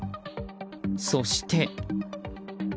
そして。